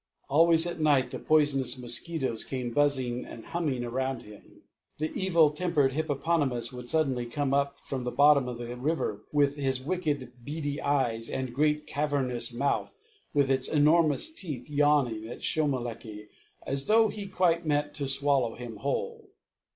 Always at night the poisonous mosquitoes came buzzing and humming around him. The evil tempered hippopotamus would suddenly come up from the bottom of the river with his wicked beady eyes, and great cavernous mouth, with its enormous teeth, yawning at Shomolekae as though he quite meant to swallow him whole.